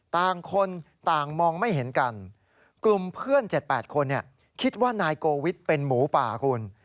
ต่างคนต่างมองไม่เห็นกันกลุ่มเพื่อน๗๘คนคิดว่านายโกวิทย์เป็นหมูป่าคุณ